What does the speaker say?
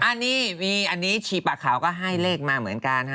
อันนี้มีอันนี้ชีปะขาวก็ให้เลขมาเหมือนกันฮะ